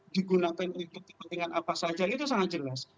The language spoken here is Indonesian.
digunakan untuk kepentingan apa saja itu sangat jelas